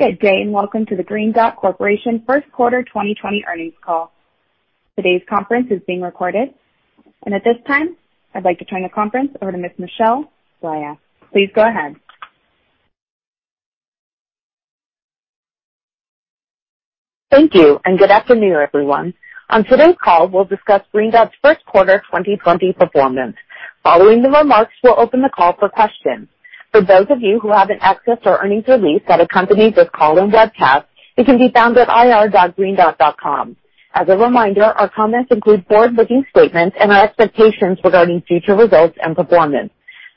Good day and Welcome to the Green Dot Corporation first quarter 2020 earnings call. Today's conference is being recorded, and at this time, I'd like to turn the conference over to Ms. Michelle Blaya. Please go ahead. Thank you, and good afternoon, everyone. On today's call, we'll discuss Green Dot's first quarter 2020 performance. Following the remarks, we'll open the call for questions. For those of you who haven't accessed our earnings release that accompanies this call and webcast, it can be found at irgreendot.com. As a reminder, our comments include forward-looking statements and our expectations regarding future results and performance.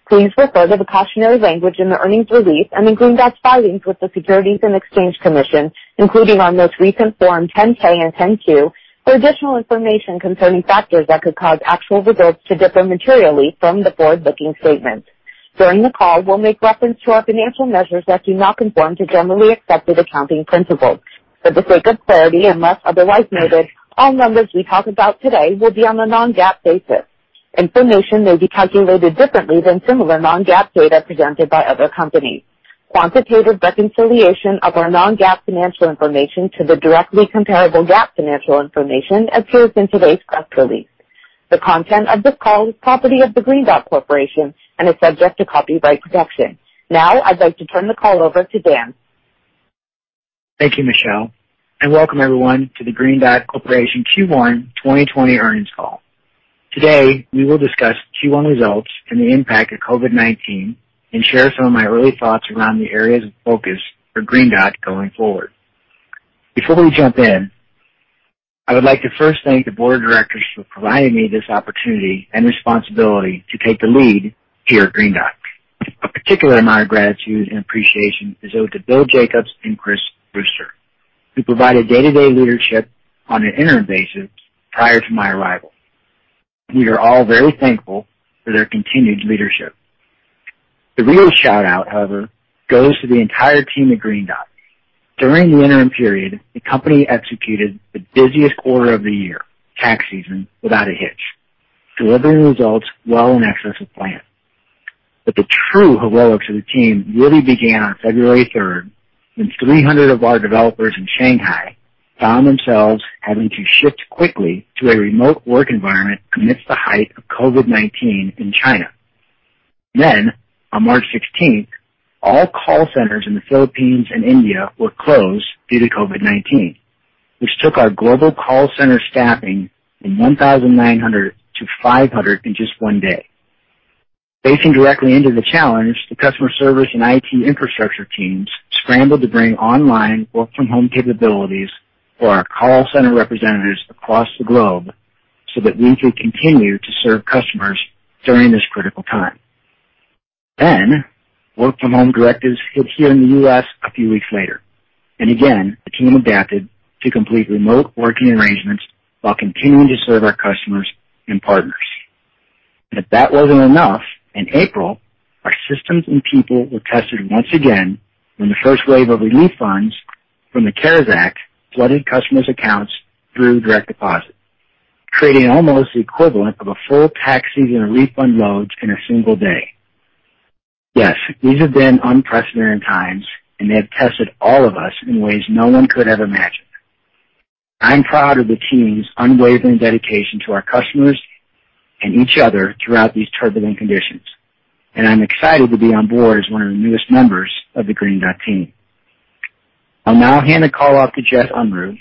Please refer to the cautionary language in the earnings release and in Green Dot's filings with the Securities and Exchange Commission, including our most recent Form 10-K and 10-Q, for additional information concerning factors that could cause actual results to differ materially from the forward-looking statements. During the call, we'll make reference to our financial measures that do not conform to generally accepted accounting principles. For the sake of clarity, unless otherwise noted, all numbers we talk about today will be on a non-GAAP basis. Information may be calculated differently than similar non-GAAP data presented by other companies. Quantitative reconciliation of our non-GAAP financial information to the directly comparable GAAP financial information appears in today's press release. The content of this call is property of Green Dot Corporation and is subject to copyright protection. Now, I'd like to turn the call over to Dan. Thank you, Michelle, and Welcome, everyone, to the Green Dot Corporation Q1 2020 earnings call. Today, we will discuss Q1 results and the impact of COVID-19 and share some of my early thoughts around the areas of focus for Green Dot going forward. Before we jump in, I would like to first thank the board of directors for providing me this opportunity and responsibility to take the lead here at Green Dot. A particular amount of gratitude and appreciation is owed to Bill Jacobs and Chris Brewster, who provided day-to-day leadership on an interim basis prior to my arrival. We are all very thankful for their continued leadership. The real shout-out, however, goes to the entire team at Green Dot. During the interim period, the company executed the busiest quarter of the year, tax season, without a hitch, delivering results well in excess of planned. The true heroics of the team really began on February 3rd, when 300 of our developers in Shanghai found themselves having to shift quickly to a remote work environment amidst the height of COVID-19 in China. On March 16th, all call centers in the Philippines and India were closed due to COVID-19, which took our global call center staffing from 1,900 to 500 in just one day. Facing directly into the challenge, the customer service and IT infrastructure teams scrambled to bring online work-from-home capabilities for our call center representatives across the globe so that we could continue to serve customers during this critical time. Work-from-home directives hit here in the U.S. a few weeks later, and again, the team adapted to complete remote working arrangements while continuing to serve our customers and partners. If that was not enough, in April, our systems and people were tested once again when the first wave of relief funds from the CARES Act flooded customers' accounts through direct deposit, creating almost the equivalent of a full tax season of refund loads in a single day. Yes, these have been unprecedented times, and they have tested all of us in ways no one could have imagined. I am proud of the team's unwavering dedication to our customers and each other throughout these turbulent conditions, and I am excited to be on board as one of the newest members of the Green Dot team. I'll now hand the call off to Jess Unruh,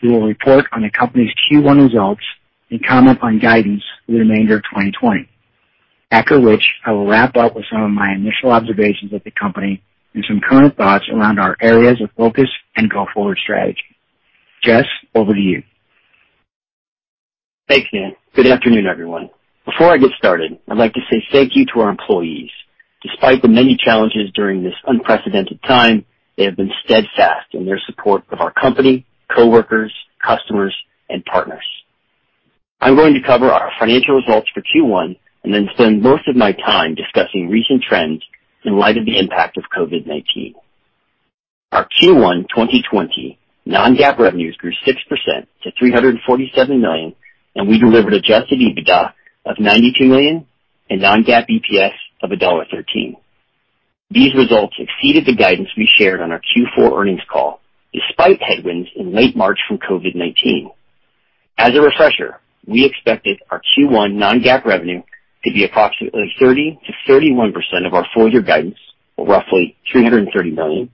who will report on the company's Q1 results and comment on guidance for the remainder of 2020, after which I will wrap up with some of my initial observations of the company and some current thoughts around our areas of focus and go-forward strategy. Jess, over to you. Thank you. Good afternoon, everyone. Before I get started, I'd like to say thank you to our employees. Despite the many challenges during this unprecedented time, they have been steadfast in their support of our company, coworkers, customers, and partners. I'm going to cover our financial results for Q1 and then spend most of my time discussing recent trends in light of the impact of COVID-19. Our Q1 2020 non-GAAP revenues grew 6% to $347 million, and we delivered adjusted EBITDA of $92 million and non-GAAP EPS of $1.13. These results exceeded the guidance we shared on our Q4 earnings call, despite headwinds in late March from COVID-19. As a refresher, we expected our Q1 non-GAAP revenue to be approximately 30%, 31% of our full-year guidance, or roughly $330 million,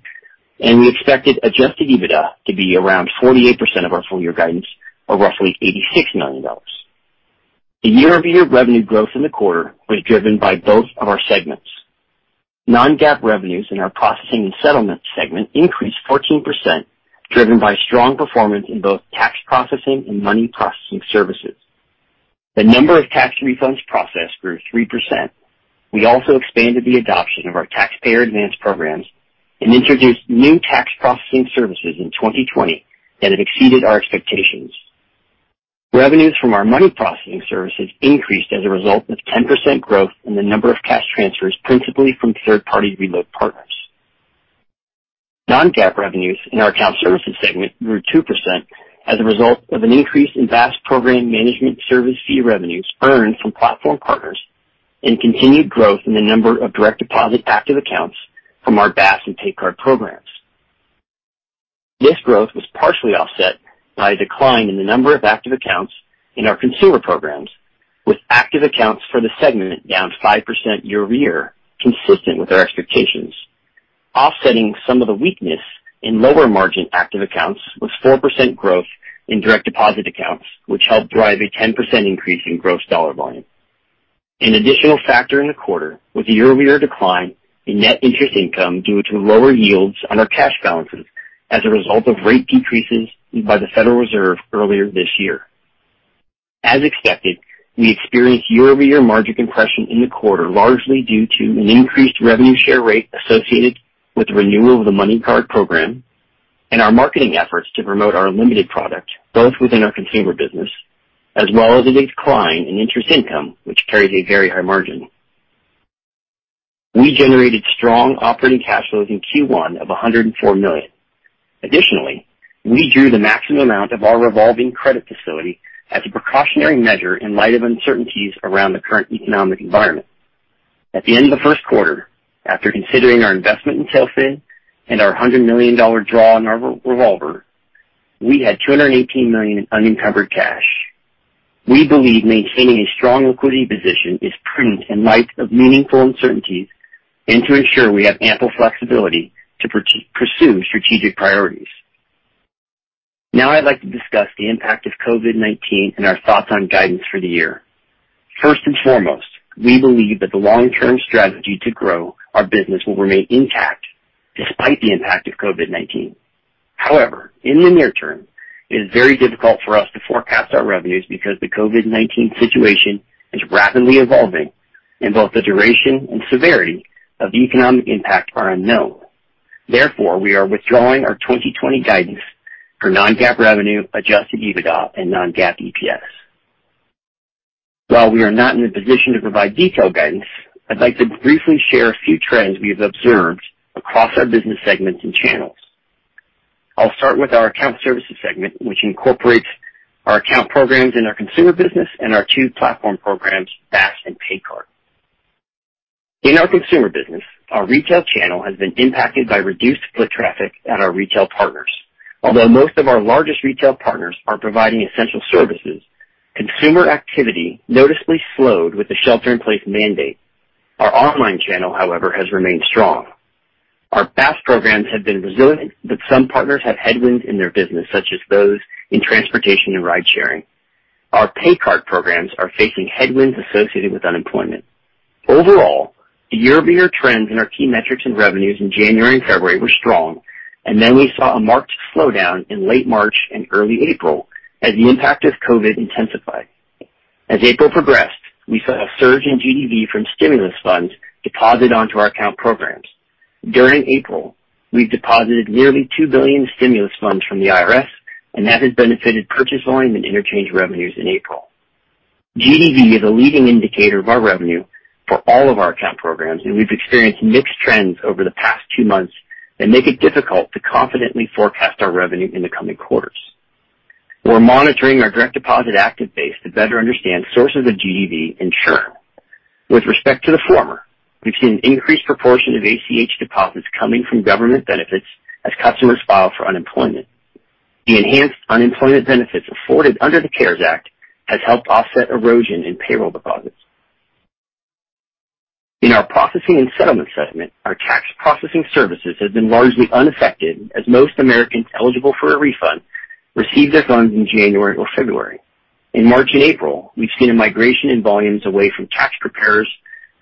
and we expected adjusted EBITDA to be around 48% of our full-year guidance, or roughly $86 million. The year-over-year revenue growth in the quarter was driven by both of our segments. Non-GAAP revenues in our processing and settlement segment increased 14%, driven by strong performance in both tax processing and money processing services. The number of tax refunds processed grew 3%. We also expanded the adoption of our taxpayer advance programs and introduced new tax processing services in 2020 that have exceeded our expectations. Revenues from our money processing services increased as a result of 10% growth in the number of cash transfers principally from third-party reload partners. Non-GAAP revenues in our account services segment grew 2% as a result of an increase in BaaS program management service fee revenues earned from platform partners and continued growth in the number of direct deposit active accounts from our BaaS and PayCard programs. This growth was partially offset by a decline in the number of active accounts in our consumer programs, with active accounts for the segment down 5% year-over-year, consistent with our expectations, offsetting some of the weakness in lower margin active accounts with 4% growth in direct deposit accounts, which helped drive a 10% increase in gross dollar volume. An additional factor in the quarter was the year-over-year decline in net interest income due to lower yields on our cash balances as a result of rate decreases by the Federal Reserve earlier this year. As expected, we experienced year-over-year margin compression in the quarter, largely due to an increased revenue share rate associated with the renewal of the MoneyCard program and our marketing efforts to promote our Unlimited product, both within our consumer business as well as a decline in interest income, which carries a very high margin. We generated strong operating cash flows in Q1 of $104 million. Additionally, we drew the maximum amount of our revolving credit facility as a precautionary measure in light of uncertainties around the current economic environment. At the end of the first quarter, after considering our investment in TailFin and our $100 million draw on our revolver, we had $218 million in unencumbered cash. We believe maintaining a strong liquidity position is prudent in light of meaningful uncertainties and to ensure we have ample flexibility to pursue strategic priorities. Now, I'd like to discuss the impact of COVID-19 and our thoughts on guidance for the year. First and foremost, we believe that the long-term strategy to grow our business will remain intact despite the impact of COVID-19. However, in the near term, it is very difficult for us to forecast our revenues because the COVID-19 situation is rapidly evolving, and both the duration and severity of the economic impact are unknown. Therefore, we are withdrawing our 2020 guidance for non-GAAP revenue, adjusted EBITDA, and non-GAAP EPS. While we are not in a position to provide detailed guidance, I'd like to briefly share a few trends we have observed across our business segments and channels. I'll start with our account services segment, which incorporates our account programs in our consumer business and our two platform programs, BaaS and PayCard. In our consumer business, our retail channel has been impacted by reduced foot traffic at our retail partners. Although most of our largest retail partners are providing essential services, consumer activity noticeably slowed with the shelter-in-place mandate. Our online channel, however, has remained strong. Our BaaS programs have been resilient, but some partners have headwinds in their business, such as those in transportation and ride-sharing. Our PayCard programs are facing headwinds associated with unemployment. Overall, the year-over-year trends in our key metrics and revenues in January and February were strong, and then we saw a marked slowdown in late March and early April as the impact of COVID intensified. As April progressed, we saw a surge in GDV from stimulus funds deposited onto our account programs. During April, we've deposited nearly $2 billion in stimulus funds from the IRS, and that has benefited purchase volume and interchange revenues in April. GDV is a leading indicator of our revenue for all of our account programs, and we've experienced mixed trends over the past two months that make it difficult to confidently forecast our revenue in the coming quarters. We're monitoring our direct deposit active base to better understand sources of GDV in churn. With respect to the former, we've seen an increased proportion of ACH deposits coming from government benefits as customers file for unemployment. The enhanced unemployment benefits afforded under the CARES Act have helped offset erosion in payroll deposits. In our processing and settlement segment, our tax processing services have been largely unaffected as most Americans eligible for a refund receive their funds in January or February. In March and April, we've seen a migration in volumes away from tax preparers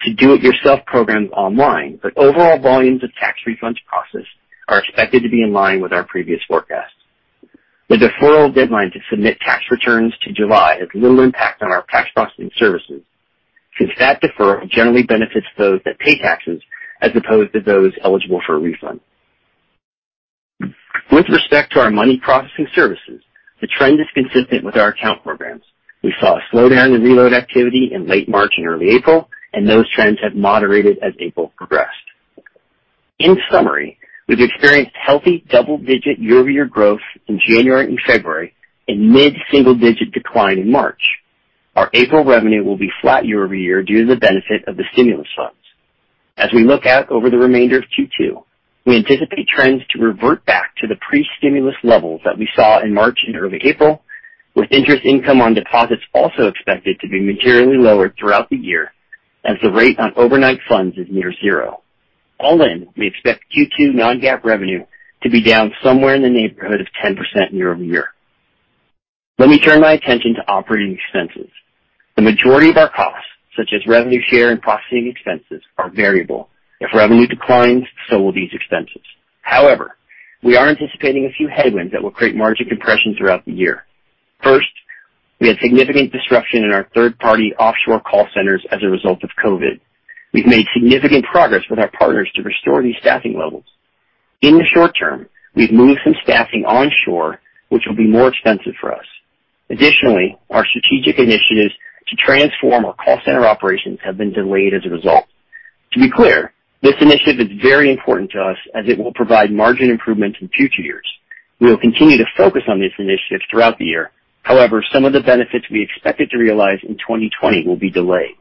to do-it-yourself programs online, but overall volumes of tax refunds processed are expected to be in line with our previous forecast. The deferral deadline to submit tax returns to July has little impact on our tax processing services since that deferral generally benefits those that pay taxes as opposed to those eligible for a refund. With respect to our money processing services, the trend is consistent with our account programs. We saw a slowdown in reload activity in late March and early April, and those trends have moderated as April progressed. In summary, we've experienced healthy double-digit year-over-year growth in January and February and mid-single-digit decline in March. Our April revenue will be flat year-over-year due to the benefit of the stimulus funds. As we look out over the remainder of Q2, we anticipate trends to revert back to the pre-stimulus levels that we saw in March and early April, with interest income on deposits also expected to be materially lower throughout the year as the rate on overnight funds is near zero. All in, we expect Q2 non-GAAP revenue to be down somewhere in the neighborhood of 10% year-over-year. Let me turn my attention to operating expenses. The majority of our costs, such as revenue share and processing expenses, are variable. If revenue declines, so will these expenses. However, we are anticipating a few headwinds that will create margin compression throughout the year. First, we had significant disruption in our third-party offshore call centers as a result of COVID. We've made significant progress with our partners to restore these staffing levels. In the short term, we've moved some staffing onshore, which will be more expensive for us. Additionally, our strategic initiatives to transform our call center operations have been delayed as a result. To be clear, this initiative is very important to us as it will provide margin improvements in future years. We will continue to focus on this initiative throughout the year. However, some of the benefits we expected to realize in 2020 will be delayed.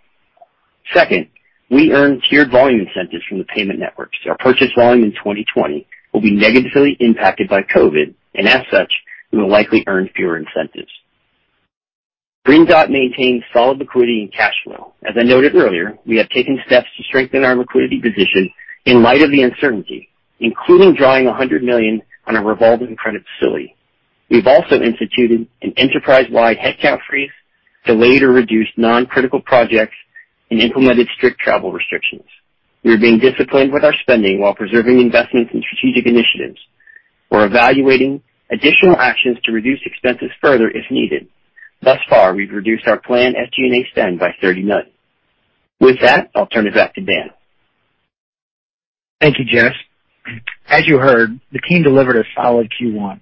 Second, we earned tiered volume incentives from the payment networks. Our purchase volume in 2020 will be negatively impacted by COVID, and as such, we will likely earn fewer incentives. Green Dot maintained solid liquidity and cash flow. As I noted earlier, we have taken steps to strengthen our liquidity position in light of the uncertainty, including drawing $100 million on a revolving credit facility. We've also instituted an enterprise-wide headcount freeze, delayed or reduced non-critical projects, and implemented strict travel restrictions. We are being disciplined with our spending while preserving investments in strategic initiatives. We're evaluating additional actions to reduce expenses further if needed. Thus far, we've reduced our planned SG&A spend by $30 million. With that, I'll turn it back to Dan. Thank you, Jess. As you heard, the team delivered a solid Q1.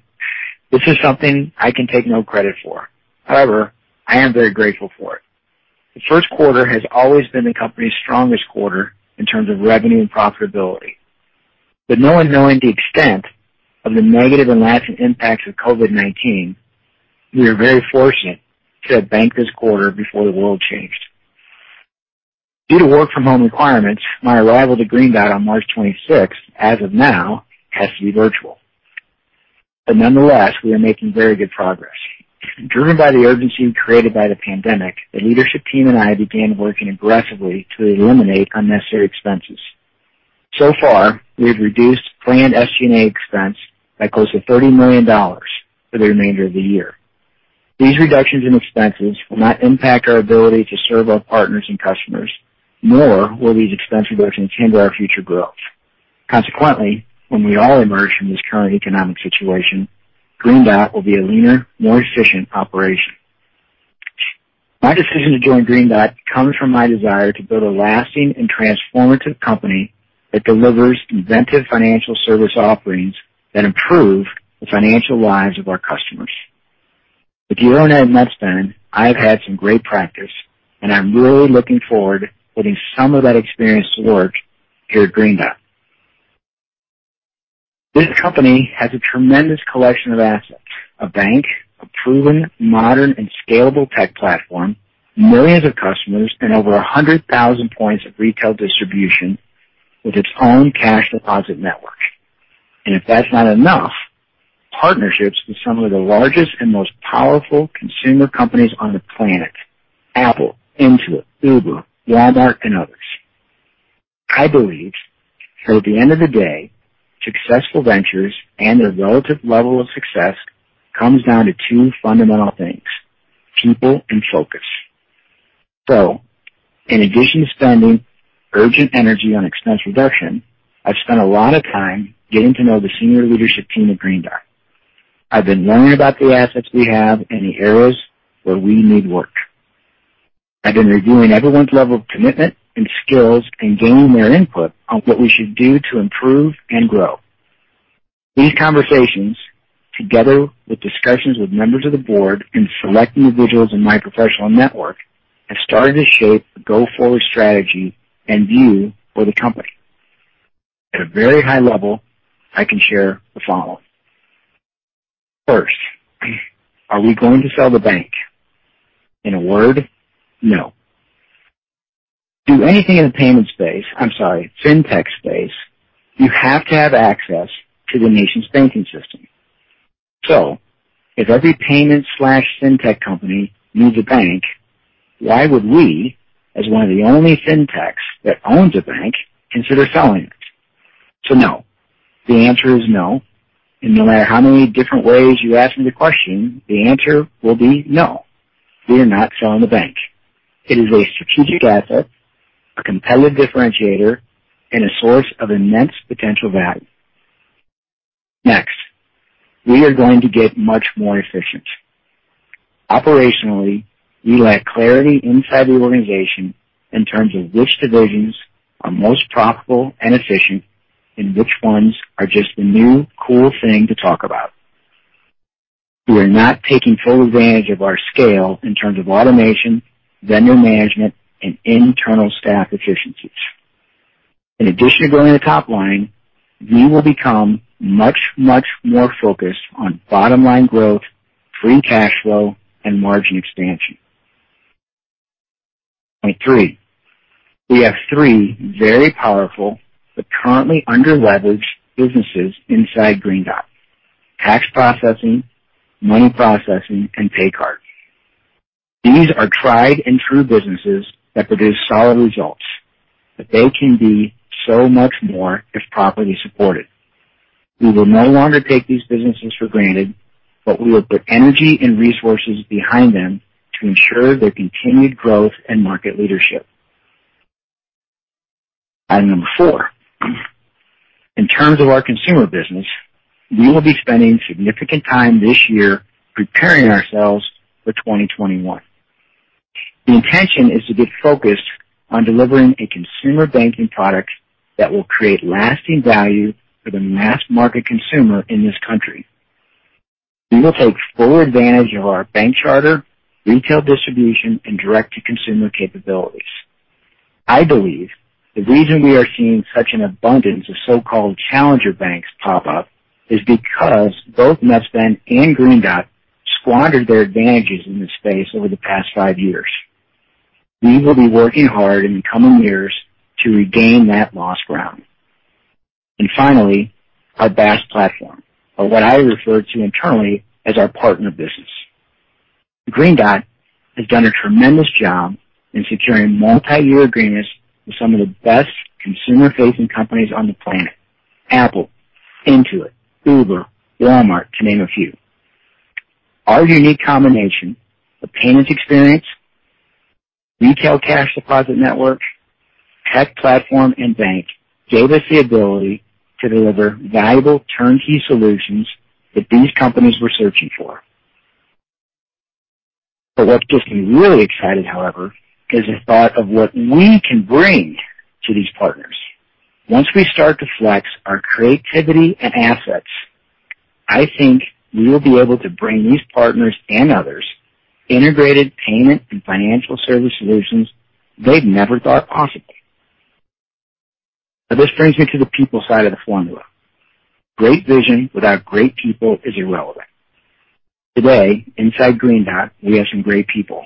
This is something I can take no credit for. However, I am very grateful for it. The first quarter has always been the company's strongest quarter in terms of revenue and profitability. Knowing the extent of the negative and lasting impacts of COVID-19, we are very fortunate to have banked this quarter before the world changed. Due to work-from-home requirements, my arrival to Green Dot on March 26th, as of now, has to be virtual. Nonetheless, we are making very good progress. Driven by the urgency created by the pandemic, the leadership team and I began working aggressively to eliminate unnecessary expenses. So far, we have reduced planned SG&A expense by close to $30 million for the remainder of the year. These reductions in expenses will not impact our ability to serve our partners and customers, nor will these expense reductions hinder our future growth. Consequently, when we all emerge from this current economic situation, Green Dot will be a leaner, more efficient operation. My decision to join Green Dot comes from my desire to build a lasting and transformative company that delivers inventive financial service offerings that improve the financial lives of our customers. With year-on-year Netspend, I have had some great practice, and I'm really looking forward to putting some of that experience to work here at Green Dot. This company has a tremendous collection of assets: a bank, a proven, modern, and scalable tech platform, millions of customers, and over 100,000 points of retail distribution with its own cash deposit network. If that's not enough, partnerships with some of the largest and most powerful consumer companies on the planet: Apple, Intuit, Uber, Walmart, and others. I believe that at the end of the day, successful ventures and their relative level of success comes down to two fundamental things: people and focus. In addition to spending urgent energy on expense reduction, I've spent a lot of time getting to know the senior leadership team at Green Dot. I've been learning about the assets we have and the areas where we need work. I've been reviewing everyone's level of commitment and skills and gaining their input on what we should do to improve and grow. These conversations, together with discussions with members of the board and select individuals in my professional network, have started to shape a go-forward strategy and view for the company. At a very high level, I can share the following. First, are we going to sell the bank? In a word, no. To do anything in the payment space—I'm sorry, fintech space—you have to have access to the nation's banking system. If every payment/fintech company needs a bank, why would we, as one of the only fintechs that owns a bank, consider selling it? No. The answer is no. No matter how many different ways you ask me the question, the answer will be no. We are not selling the bank. It is a strategic asset, a competitive differentiator, and a source of immense potential value. Next, we are going to get much more efficient. Operationally, we lack clarity inside the organization in terms of which divisions are most profitable and efficient and which ones are just the new cool thing to talk about. We are not taking full advantage of our scale in terms of automation, vendor management, and internal staff efficiencies. In addition to growing the top line, we will become much, much more focused on bottom-line growth, free cash flow, and margin expansion. Point three, we have three very powerful but currently under-leveraged businesses inside Green Dot: Tax Processing, Money Processing, and PayCard. These are tried-and-true businesses that produce solid results, but they can be so much more if properly supported. We will no longer take these businesses for granted, but we will put energy and resources behind them to ensure their continued growth and market leadership. Item number four, in terms of our consumer business, we will be spending significant time this year preparing ourselves for 2021. The intention is to get focused on delivering a consumer banking product that will create lasting value for the mass market consumer in this country. We will take full advantage of our bank charter, retail distribution, and direct-to-consumer capabilities. I believe the reason we are seeing such an abundance of so-called challenger banks pop up is because both Netspend and Green Dot squandered their advantages in this space over the past five years. We will be working hard in the coming years to regain that lost ground. Finally, our BaaS platform, or what I refer to internally as our partner business. Green Dot has done a tremendous job in securing multi-year agreements with some of the best consumer-facing companies on the planet: Apple, Intuit, Uber, Walmart, to name a few. Our unique combination of payments experience, retail cash deposit network, tech platform, and bank gave us the ability to deliver valuable turnkey solutions that these companies were searching for. What gets me really excited, however, is the thought of what we can bring to these partners. Once we start to flex our creativity and assets, I think we will be able to bring these partners and others integrated payment and financial service solutions they've never thought possible. Now, this brings me to the people side of the formula. Great vision without great people is irrelevant. Today, inside Green Dot, we have some great people,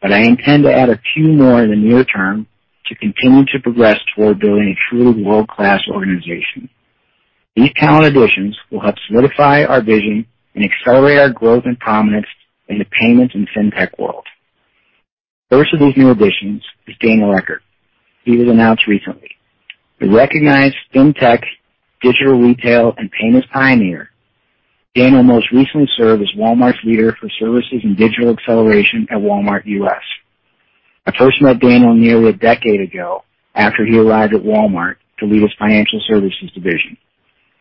but I intend to add a few more in the near term to continue to progress toward building a truly world-class organization. These talent additions will help solidify our vision and accelerate our growth and prominence in the payments and fintech world. First of these new additions is Daniel Eckert. He was announced recently. The recognized fintech, digital retail, and payments pioneer, Daniel most recently served as Walmart's leader for services and digital acceleration at Walmart US. I first met Daniel nearly a decade ago after he arrived at Walmart to lead his financial services division.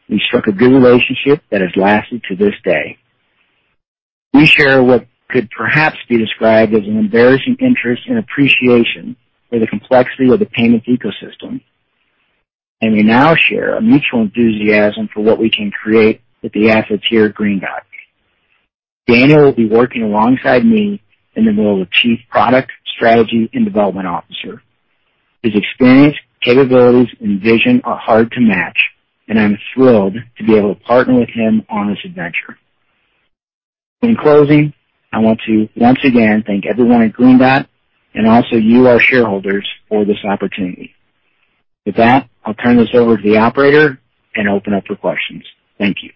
We struck a good relationship that has lasted to this day. We share what could perhaps be described as an embarrassing interest and appreciation for the complexity of the payments ecosystem, and we now share a mutual enthusiasm for what we can create with the assets here at Green Dot. Daniel will be working alongside me in the role of Chief Product Strategy and Development Officer. His experience, capabilities, and vision are hard to match, and I'm thrilled to be able to partner with him on this adventure. In closing, I want to once again thank everyone at Green Dot and also you, our shareholders, for this opportunity. With that, I'll turn this over to the operator and open up for questions. Thank you.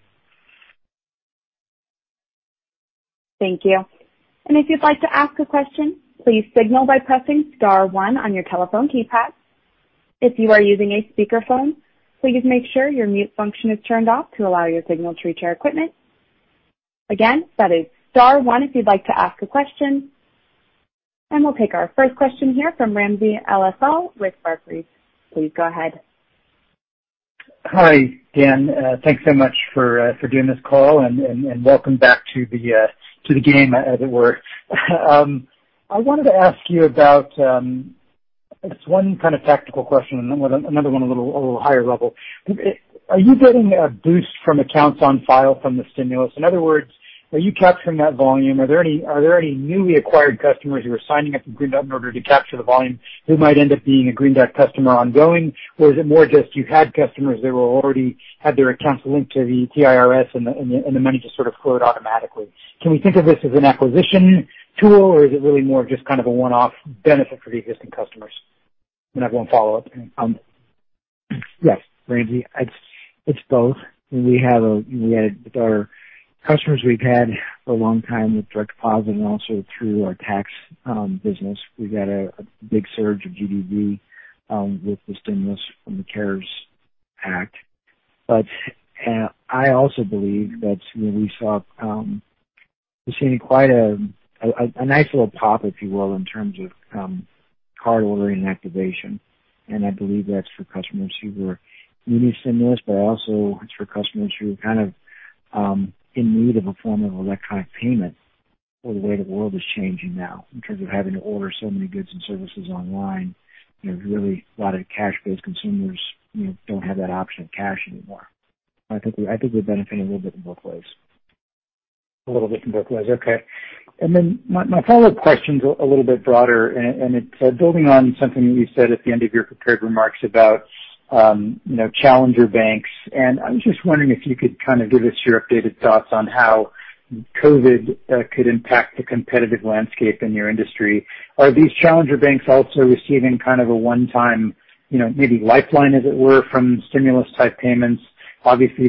Thank you. If you'd like to ask a question, please signal by pressing star one on your telephone keypad. If you are using a speakerphone, please make sure your mute function is turned off to allow your signal to reach our equipment. Again, that is star one if you'd like to ask a question. We'll take our first question here from Ramsey El-Assal with Barclays. Please go ahead. Hi, Dan. Thanks so much for doing this call and welcome back to the game, as it were. I wanted to ask you about, I guess, one kind of tactical question and another one a little higher level. Are you getting a boost from accounts on file from the stimulus? In other words, are you capturing that volume? Are there any newly acquired customers who are signing up for Green Dot in order to capture the volume who might end up being a Green Dot customer ongoing, or is it more just you had customers that already had their accounts linked to the IRS and the money just sort of flowed automatically? Can we think of this as an acquisition tool, or is it really more just kind of a one-off benefit for the existing customers? I have one follow-up. Yes, Ramsey. It's both. We have our customers we've had for a long time with direct deposit and also through our tax business. We've had a big surge of GDV with the stimulus from the CARES Act. I also believe that we saw we've seen quite a nice little pop, if you will, in terms of card ordering and activation. I believe that's for customers who were needing stimulus, but also it's for customers who are kind of in need of a form of electronic payment for the way the world is changing now in terms of having to order so many goods and services online. There's really a lot of cash-based consumers who don't have that option of cash anymore. I think we're benefiting a little bit in both ways. A little bit in both ways. Okay. My follow-up question is a little bit broader, and it is building on something that you said at the end of your prepared remarks about challenger banks. I was just wondering if you could kind of give us your updated thoughts on how COVID could impact the competitive landscape in your industry. Are these challenger banks also receiving kind of a one-time maybe lifeline, as it were, from stimulus-type payments? Obviously,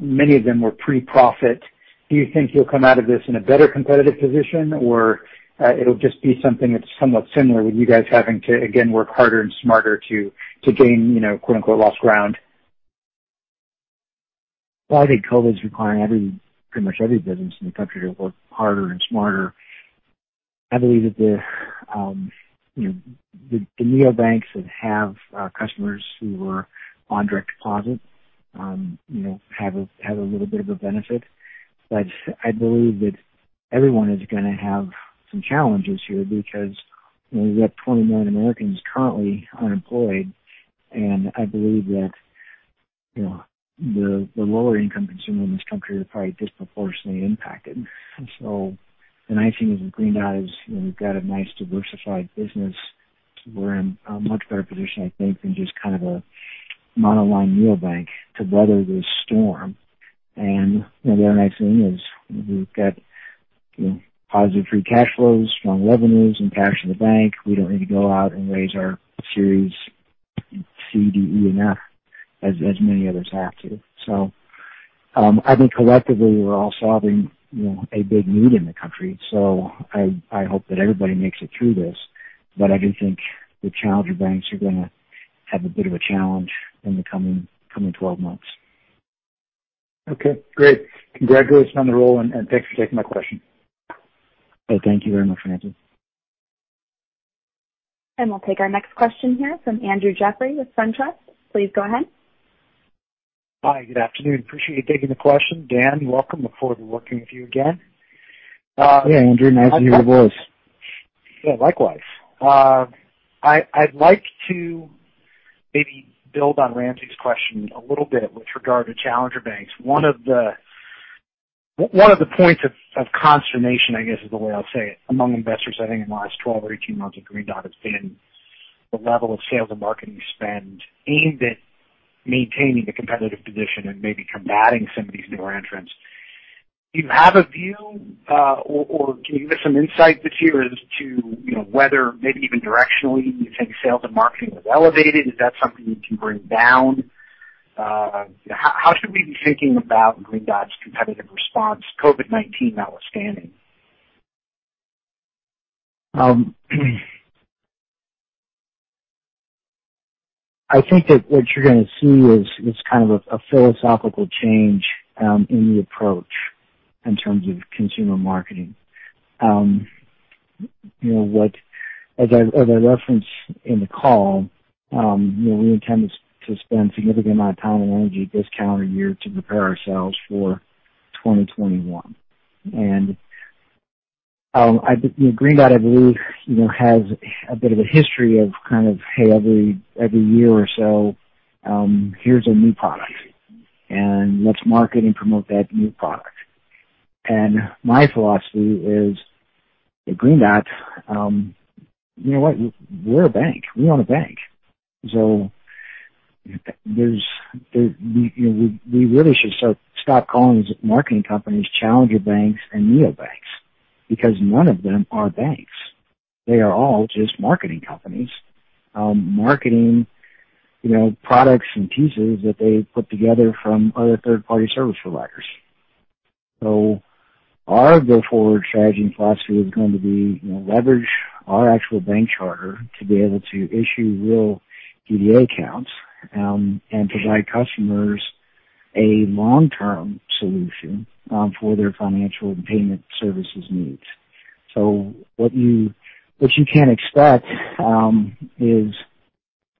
many of them were pre-profit. Do you think you will come out of this in a better competitive position, or it will just be something that is somewhat similar with you guys having to, again, work harder and smarter to gain, quote-unquote, "lost ground"? I think COVID is requiring pretty much every business in the country to work harder and smarter. I believe that the neobanks that have customers who were on direct deposit have a little bit of a benefit. I believe that everyone is going to have some challenges here because we have 20 million Americans currently unemployed, and I believe that the lower-income consumer in this country is probably disproportionately impacted. The nice thing is with Green Dot is we've got a nice diversified business. We're in a much better position, I think, than just kind of a monoline neobank to weather this storm. The other nice thing is we've got positive free cash flows, strong revenues, and cash in the bank. We don't need to go out and raise our series C, D, E, and F as many others have to. I think collectively we're all solving a big need in the country. I hope that everybody makes it through this, but I do think the challenger banks are going to have a bit of a challenge in the coming 12 months. Okay. Great. Congratulations on the role, and thanks for taking my question. Thank you very much, Ramsey. We will take our next question here from Andrew Jeffrey with SunTrust. Please go ahead. Hi. Good afternoon. Appreciate you taking the question. Dan, welcome. Look forward to working with you again. Hey, Andrew. Nice to hear your voice. Yeah, likewise. I'd like to maybe build on Ramsey's question a little bit with regard to challenger banks. One of the points of consternation, I guess, is the way I'll say it, among investors, I think in the last 12 or 18 months at Green Dot has been the level of sales and marketing spend aimed at maintaining the competitive position and maybe combating some of these newer entrants. Do you have a view, or can you give us some insight that's here as to whether maybe even directionally you think sales and marketing was elevated? Is that something you can bring down? How should we be thinking about Green Dot's competitive response? COVID-19 outstanding. I think that what you're going to see is kind of a philosophical change in the approach in terms of consumer marketing. As I referenced in the call, we intend to spend a significant amount of time and energy this calendar year to prepare ourselves for 2021. Green Dot, I believe, has a bit of a history of kind of, "Hey, every year or so, here's a new product, and let's market and promote that new product." My philosophy is at Green Dot, you know what? We're a bank. We own a bank. We really should stop calling marketing companies challenger banks and neobanks because none of them are banks. They are all just marketing companies, marketing products and pieces that they put together from other third-party service providers. Our go forward strategy and philosophy is going to be leverage our actual bank charter to be able to issue real DDA accounts and provide customers a long-term solution for their financial and payment services needs. What you can expect is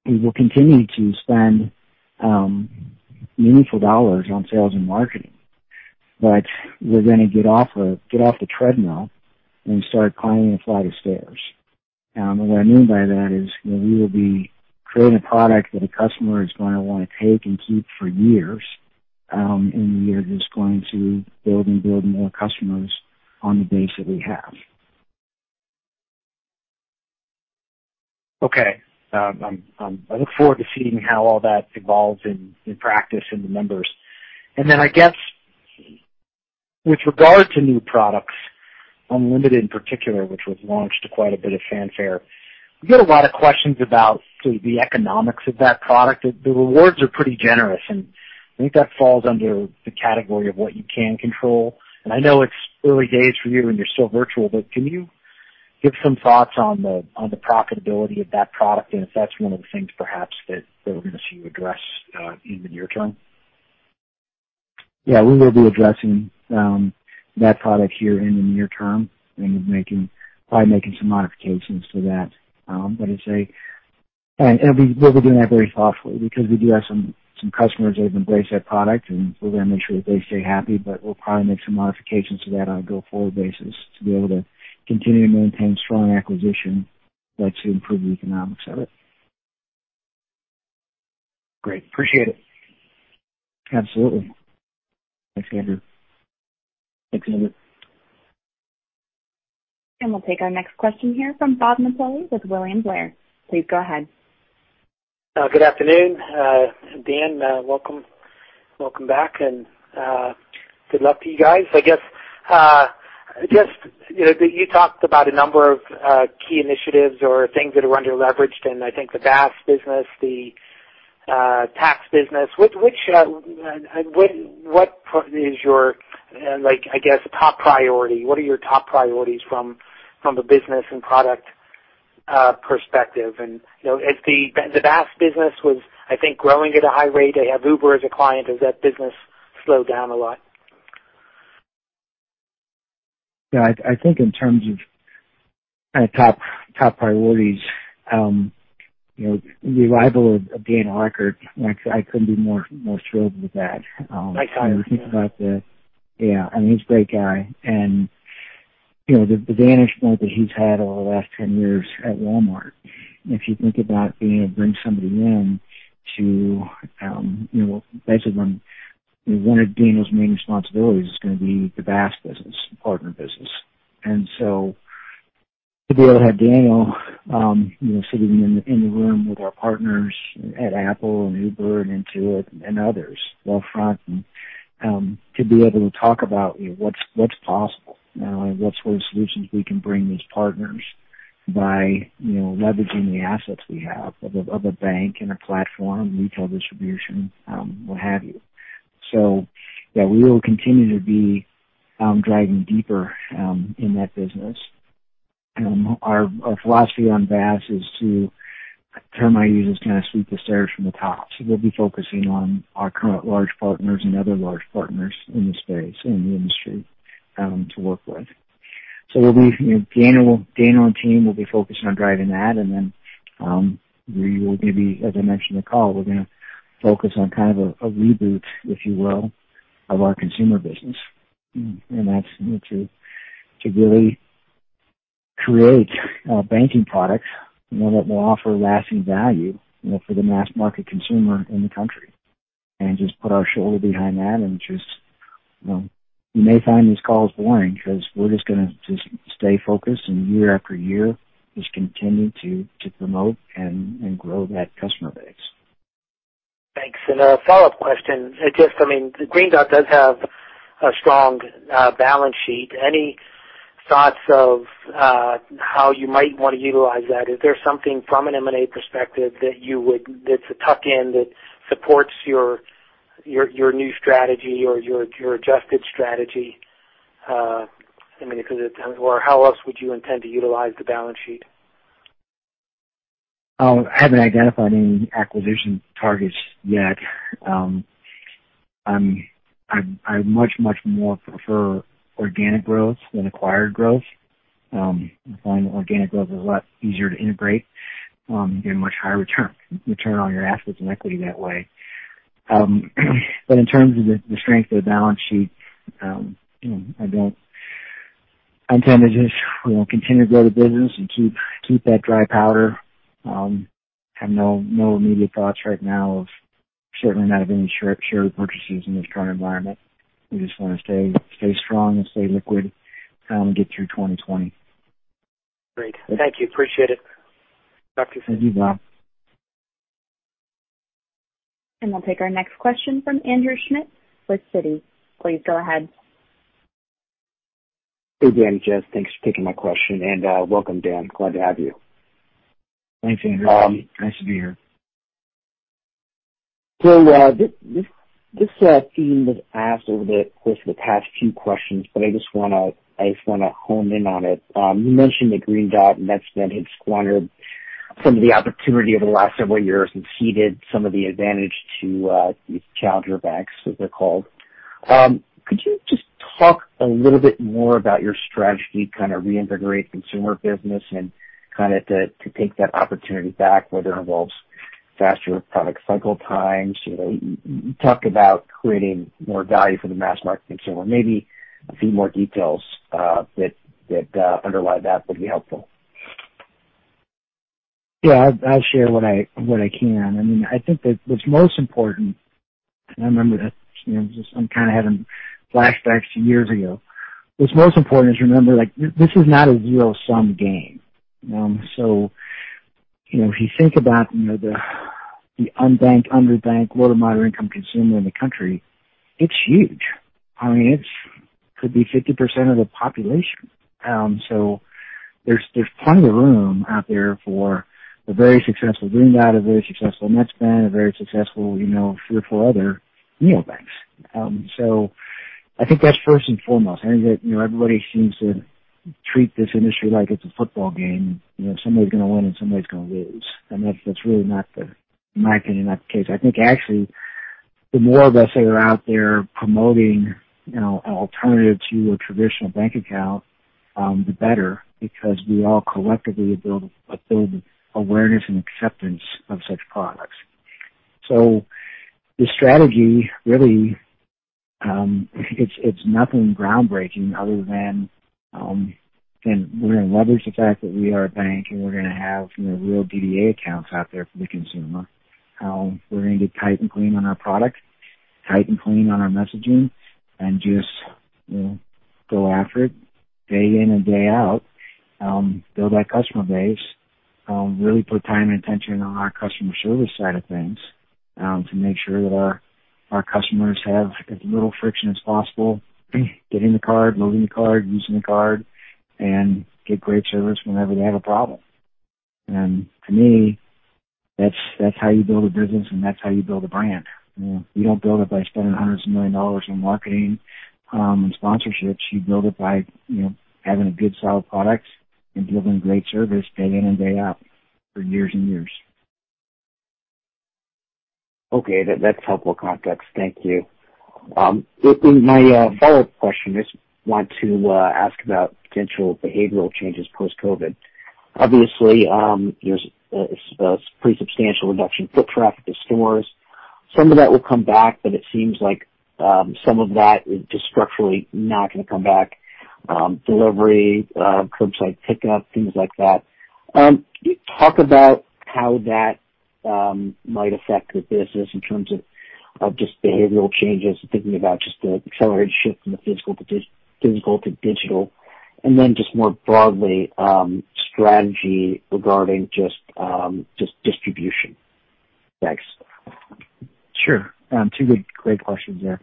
we will continue to spend meaningful dollars on sales and marketing, but we're going to get off the treadmill and start climbing a flight of stairs. What I mean by that is we will be creating a product that a customer is going to want to take and keep for years, and we are just going to build and build more customers on the base that we have. Okay. I look forward to seeing how all that evolves in practice and the numbers. I guess with regard to new products, Unlimited in particular, which was launched to quite a bit of fanfare, we get a lot of questions about sort of the economics of that product. The rewards are pretty generous, and I think that falls under the category of what you can control. I know it's early days for you and you're still virtual, but can you give some thoughts on the profitability of that product and if that's one of the things perhaps that we're going to see you address in the near term? Yeah. We will be addressing that product here in the near term and probably making some modifications to that. It is a—and we'll be doing that very thoughtfully because we do have some customers that have embraced that product, and we're going to make sure that they stay happy, but we'll probably make some modifications to that on a go-forward basis to be able to continue to maintain strong acquisition that should improve the economics of it. Great. Appreciate it. Absolutely. Thanks, Andrew. Thanks, Andrew. We will take our next question here from Bob Napoli with William Blair. Please go ahead. Good afternoon. Dan, welcome back, and good luck to you guys. I guess just you talked about a number of key initiatives or things that are under-leveraged, and I think the BaaS business, the tax business. What is your, I guess, top priority? What are your top priorities from a business and product perspective? If the BaaS business was, I think, growing at a high rate, they have Uber as a client, has that business slowed down a lot? Yeah. I think in terms of kind of top priorities, the arrival of Daniel Eckert, I could not be more thrilled with that. Nice guy. When you think about the—yeah. I mean, he's a great guy. The vantage point that he's had over the last 10 years at Walmart, if you think about being able to bring somebody in to basically one of Daniel's main responsibilities is going to be the BaaS business, partner business. To be able to have Daniel sitting in the room with our partners at Apple and Uber and Intuit and others, Walmart, and to be able to talk about what's possible and what sort of solutions we can bring these partners by leveraging the assets we have of a bank and a platform, retail distribution, what have you. Yeah, we will continue to be driving deeper in that business. Our philosophy on BaaS is to, I term my users, kind of sweep the stairs from the top. We will be focusing on our current large partners and other large partners in the space and the industry to work with. Daniel and team will be focused on driving that, and then we will, maybe, as I mentioned in the call, focus on kind of a reboot, if you will, of our consumer business. That is to really create banking products that will offer lasting value for the mass market consumer in the country and just put our shoulder behind that and just—you may find these calls boring because we are just going to just stay focused and year after year just continue to promote and grow that customer base. Thanks. A follow-up question. I mean, Green Dot does have a strong balance sheet. Any thoughts of how you might want to utilize that? Is there something from an M&A perspective that you would—that's a tuck-in that supports your new strategy or your adjusted strategy? I mean, or how else would you intend to utilize the balance sheet? I haven't identified any acquisition targets yet. I much, much more prefer organic growth than acquired growth. I find organic growth is a lot easier to integrate and get a much higher return on your assets and equity that way. In terms of the strength of the balance sheet, I intend to just continue to grow the business and keep that dry powder. I have no immediate thoughts right now of certainly not of any share purchases in this current environment. We just want to stay strong and stay liquid and get through 2020. Great. Thank you. Appreciate it. Thank you. Bye. We'll take our next question from Andrew Schmidt with Citi. Please go ahead. Hey, Dan. Yes. Thanks for taking my question. And welcome, Dan. Glad to have you. Thanks, Andrew. Nice to be here. This theme that I asked over the past few questions, but I just want to hone in on it. You mentioned that Green Dot and Netspend headquartered some of the opportunity over the last several years and seeded some of the advantage to these challenger banks, as they're called. Could you just talk a little bit more about your strategy to kind of reinvigorate consumer business and kind of to take that opportunity back, whether it involves faster product cycle times? You talked about creating more value for the mass market consumer. Maybe a few more details that underlie that would be helpful. Yeah. I'll share what I can. I mean, I think that what's most important—and I remember that I'm kind of having flashbacks to years ago—what's most important is remember this is not a zero-sum game. If you think about the unbanked, underbanked, low-to-moderate income consumer in the country, it's huge. I mean, it could be 50% of the population. There's plenty of room out there for a very successful Green Dot, a very successful Netspend, a very successful three or four other neobanks. I think that's first and foremost. I think that everybody seems to treat this industry like it's a football game. Somebody's going to win and somebody's going to lose. That's really not, in my opinion, not the case. I think actually the more of us that are out there promoting an alternative to a traditional bank account, the better because we all collectively build awareness and acceptance of such products. The strategy really, it's nothing groundbreaking other than we're going to leverage the fact that we are a bank and we're going to have real DDA accounts out there for the consumer. We're going to get tight and clean on our product, tight and clean on our messaging, and just go after it day in and day out, build that customer base, really put time and attention on our customer service side of things to make sure that our customers have as little friction as possible getting the card, moving the card, using the card, and get great service whenever they have a problem. To me, that's how you build a business and that's how you build a brand. You don't build it by spending hundreds of millions of dollars on marketing and sponsorships. You build it by having a good, solid product and delivering great service day in and day out for years and years. Okay. That's helpful context. Thank you. My follow-up question is want to ask about potential behavioral changes post-COVID. Obviously, there's a pretty substantial reduction in foot traffic to stores. Some of that will come back, but it seems like some of that is just structurally not going to come back: delivery, curbside pickup, things like that. Talk about how that might affect the business in terms of just behavioral changes, thinking about just the accelerated shift from the physical to digital, and then just more broadly strategy regarding just distribution. Thanks. Sure. Two great questions there.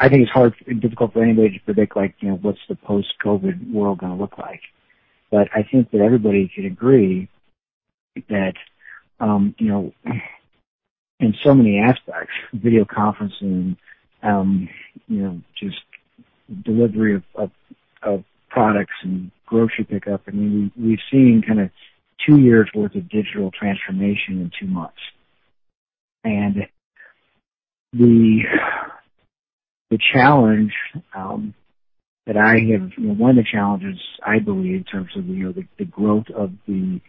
I think it's hard and difficult for anybody to predict what's the post-COVID world going to look like. I think that everybody can agree that in so many aspects, video conferencing, just delivery of products and grocery pickup, I mean, we've seen kind of two years' worth of digital transformation in two months. The challenge that I have—one of the challenges, I believe, in terms of the growth of the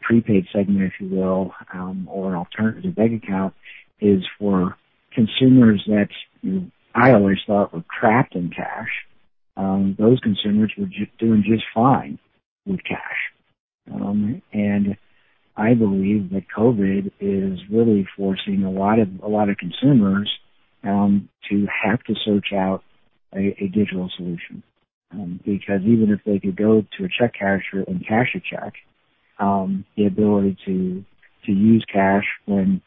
prepaid segment, if you will, or an alternative bank account, is for consumers that I always thought were trapped in cash. Those consumers were doing just fine with cash. I believe that COVID is really forcing a lot of consumers to have to search out a digital solution because even if they could go to a check casher and cash a check, the ability to use cash when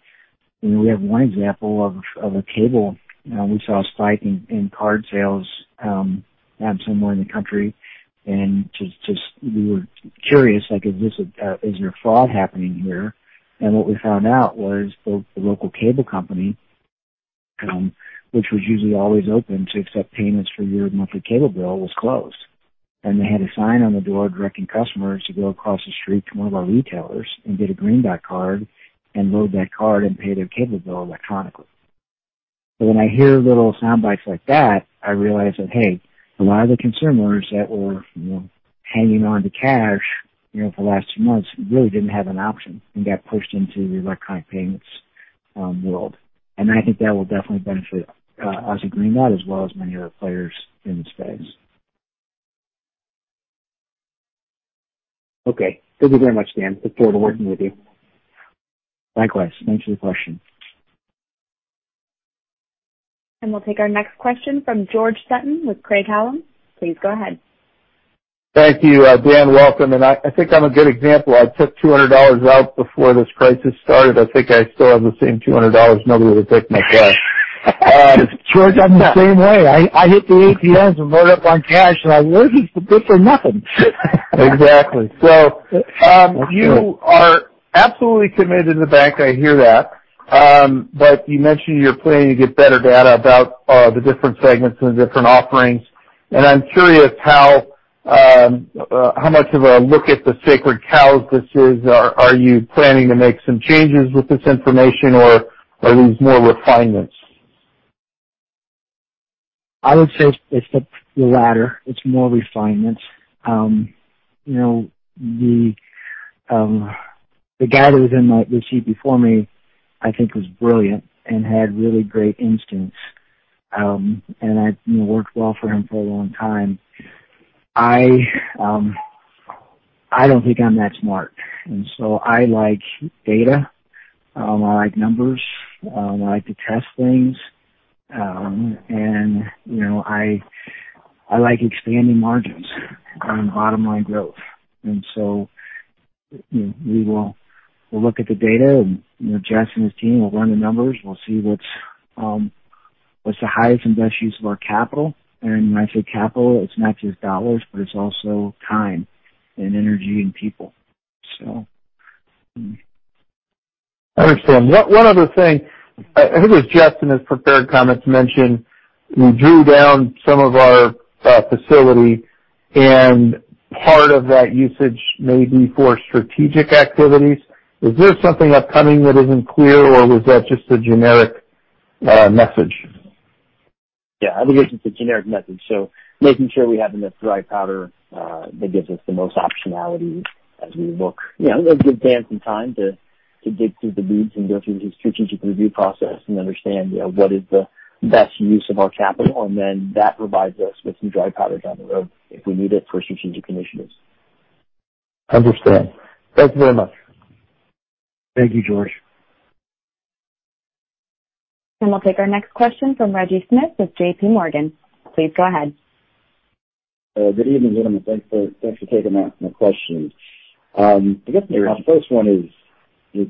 we have one example of a cable, we saw a spike in card sales somewhere in the country. We were curious, like, is there fraud happening here? What we found out was the local cable company, which was usually always open to accept payments for your monthly cable bill, was closed. They had a sign on the door directing customers to go across the street to one of our retailers and get a Green Dot card and load that card and pay their cable bill electronically. When I hear little soundbites like that, I realize that, hey, a lot of the consumers that were hanging on to cash for the last two months really did not have an option and got pushed into the electronic payments world. I think that will definitely benefit us at Green Dot as well as many other players in the space. Okay. Thank you very much, Dan. Look forward to working with you. Likewise. Thanks for the question. We will take our next question from George Sutton with Craig-Hallum. Please go ahead. Thank you, Dan. Welcome. I think I'm a good example. I took $200 out before this crisis started. I think I still have the same $200. Nobody would have taken my cash. George, I'm the same way. I hit the ATMs and loaded up on cash, and I was just good for nothing. Exactly. You are absolutely committed to the bank. I hear that. You mentioned you're planning to get better data about the different segments and the different offerings. I'm curious how much of a look at the sacred cows this is. Are you planning to make some changes with this information, or are these more refinements? I would say it's the latter. It's more refinements. The guy that was in my seat before me, I think, was brilliant and had really great instincts. I worked well for him for a long time. I don't think I'm that smart. I like data. I like numbers. I like to test things. I like expanding margins and bottom-line growth. We will look at the data, and Jess and his team will run the numbers. We'll see what's the highest and best use of our capital. When I say capital, it's not just dollars, but it's also time and energy and people. I understand. One other thing. I think it was Jess in his prepared comments mentioned we drew down some of our facility, and part of that usage may be for strategic activities. Is there something upcoming that isn't clear, or was that just a generic message? Yeah. I think it's just a generic message. Making sure we have enough dry powder that gives us the most optionality as we look. It'll give Dan some time to dig through the weeds and go through his strategic review process and understand what is the best use of our capital. That provides us with some dry powder down the road if we need it for strategic initiatives. Understood. Thank you very much. Thank you, George. We will take our next question from Reggie Smith with JPMorgan. Please go ahead. Good evening, gentlemen. Thanks for taking my question. I guess the first one is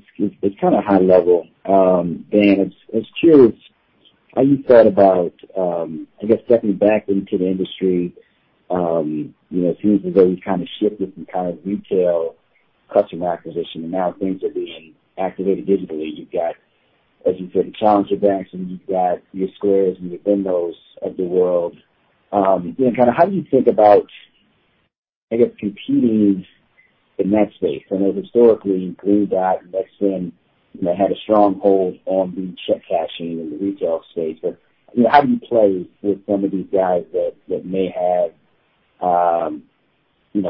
kind of high level. Dan, I was curious how you thought about, I guess, stepping back into the industry. It seems as though you've kind of shifted from kind of retail customer acquisition, and now things are being activated digitally. You've got, as you said, the challenger banks, and you've got your Squares and your Bimbos of the world. Kind of how do you think about, I guess, competing in that space? I know historically, Green Dot and Netspend had a strong hold on the check cashing and the retail space. But how do you play with some of these guys that may have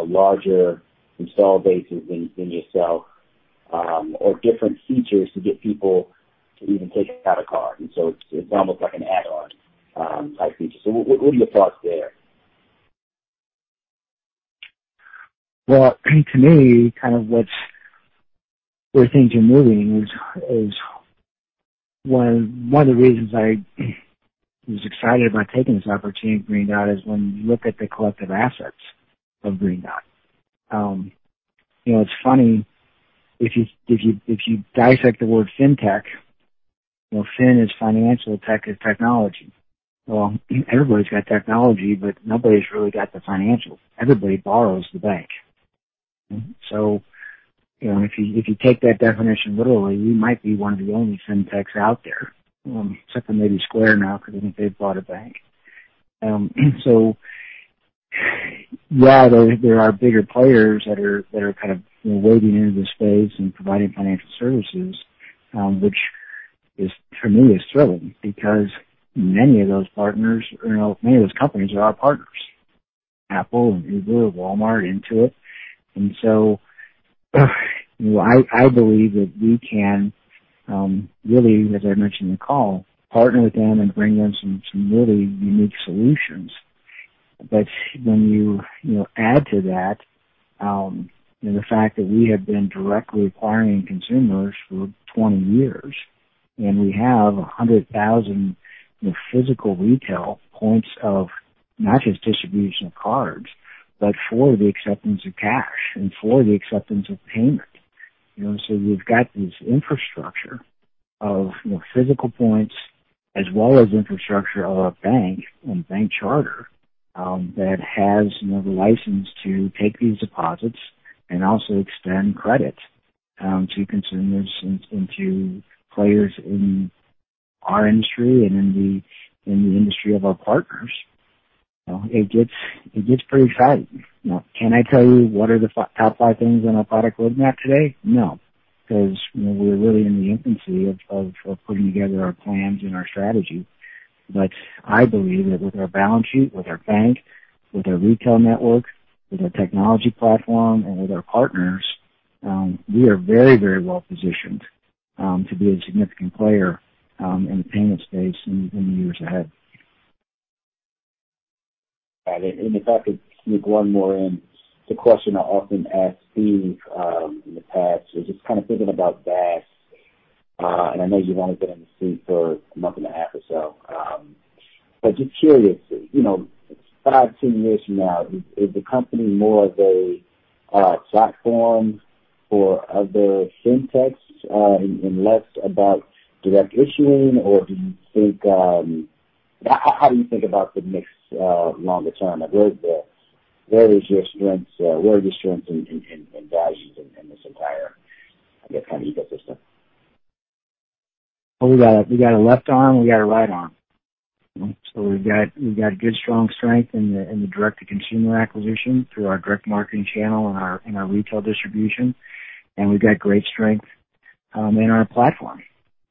larger install bases than yourself or different features to get people to even take out a card? It's almost like an add-on type feature. What are your thoughts there? To me, kind of where things are moving is one of the reasons I was excited about taking this opportunity at Green Dot is when you look at the collective assets of Green Dot. It's funny. If you dissect the word fintech, fin is financial, tech is technology. Everybody's got technology, but nobody's really got the financials. Everybody borrows the bank. If you take that definition literally, we might be one of the only fintechs out there, except for maybe Square now because I think they've bought a bank. There are bigger players that are kind of wading into this space and providing financial services, which for me is thrilling because many of those partners or many of those companies are our partners: Apple, Uber, Walmart, Intuit. I believe that we can really, as I mentioned in the call, partner with them and bring them some really unique solutions. When you add to that the fact that we have been directly acquiring consumers for 20 years, and we have 100,000 physical retail points of not just distribution of cards, but for the acceptance of cash and for the acceptance of payment, we've got this infrastructure of physical points as well as infrastructure of a bank and bank charter that has the license to take these deposits and also extend credit to consumers and to players in our industry and in the industry of our partners. It gets pretty exciting. Can I tell you what are the top five things on our product roadmap today? No. Because we're really in the infancy of putting together our plans and our strategy. I believe that with our balance sheet, with our bank, with our retail network, with our technology platform, and with our partners, we are very, very well positioned to be a significant player in the payment space in the years ahead. Got it. If I could sneak one more in, the question I often asked Steve in the past is just kind of thinking about BaaS. I know you've only been in the suite for a month and a half or so. Just curious, 5 years, 10 years from now, is the company more of a platform for other fintechs and less about direct issuing, or how do you think about the mix longer term? Where is your strength? Where are your strengths and values in this entire, I guess, kind of ecosystem? We got a left arm. We got a right arm. We have good, strong strength in the direct-to-consumer acquisition through our direct marketing channel and our retail distribution. We have great strength in our platform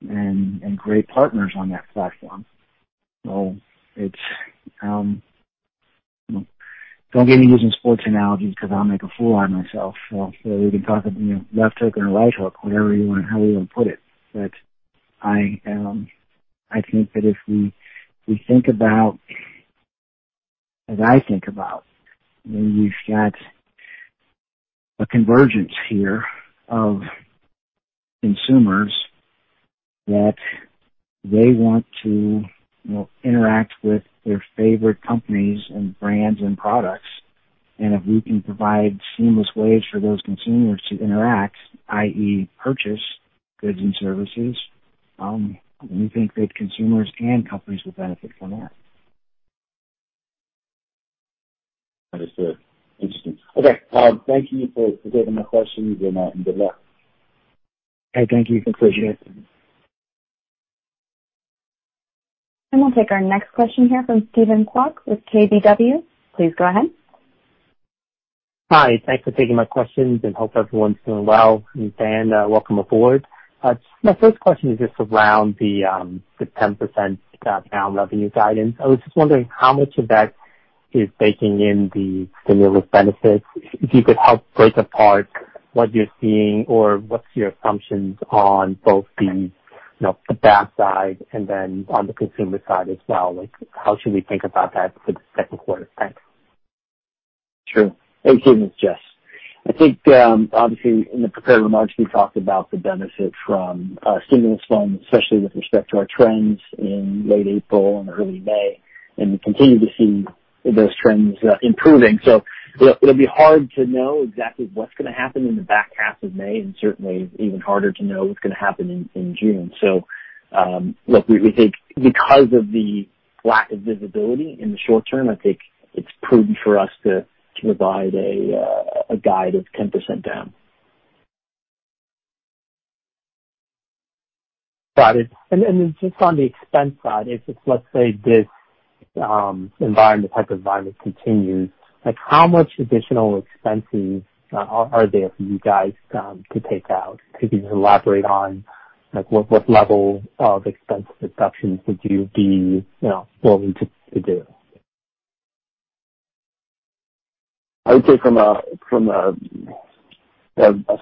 and great partners on that platform. Do not get me using sports analogies because I will make a fool out of myself. We can talk about left hook or right hook, whatever you want, however you want to put it. I think that if we think about, as I think about, we have a convergence here of consumers that they want to interact with their favorite companies and brands and products. If we can provide seamless ways for those consumers to interact, i.e., purchase goods and services, we think that consumers and companies will benefit from that. Understood. Interesting. Okay. Thank you for taking my questions, and good luck. Hey, thank you. Appreciate it. We will take our next question here from Steven Kwok with KBW. Please go ahead. Hi. Thanks for taking my questions. I hope everyone's doing well. Dan, welcome aboard. My first question is just around the 10% down revenue guidance. I was just wondering how much of that is baking in the stimulus benefits. If you could help break apart what you're seeing or what your assumptions are on both the BAS side and then on the consumer side as well. How should we think about that for the second quarter? Thanks. Sure. Hey, Steven. It's Jess. I think, obviously, in the prepared remarks, we talked about the benefit from stimulus funds, especially with respect to our trends in late April and early May. We continue to see those trends improving. It will be hard to know exactly what's going to happen in the back half of May and certainly even harder to know what's going to happen in June. We think because of the lack of visibility in the short term, I think it's prudent for us to provide a guide of 10% down. Got it. Just on the expense side, if let's say this environment, type of environment continues, how much additional expenses are there for you guys to take out? Could you just elaborate on what level of expense deductions would you be willing to do? I would say from a